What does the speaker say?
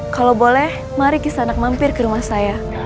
kalau boleh mari kis anak mampir ke rumah saya